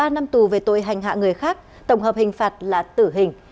ba năm tù về tội hành hạ người khác tổng hợp hình phạt là tử hình